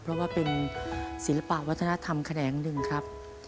เพราะว่าเป็นศิลปะวัฒนธรรมแขนงหนึ่งครับ